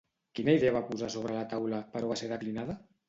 Quina idea va posar sobre la taula, però va ser declinada?